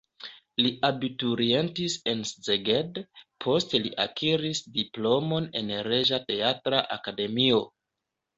Li abiturientis en Szeged, poste li akiris diplomon en Reĝa Teatra Akademio.